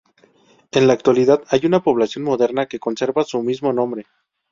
En la actualidad hay una población moderna que conserva su mismo nombre.